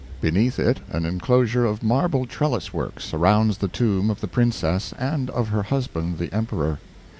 Beneath it an enclosure of marble trellis work surrounds the tomb of the princess and of her husband, the Emperor.